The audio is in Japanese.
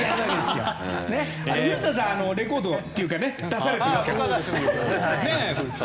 古田さんはレコードというか出されていますけども。